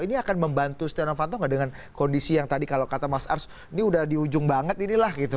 ini akan membantu setia novanto nggak dengan kondisi yang tadi kalau kata mas ars ini udah di ujung banget inilah gitu